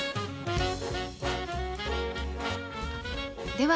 では